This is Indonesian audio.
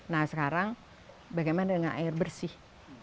nah sekarang bagaimana dengan air bersih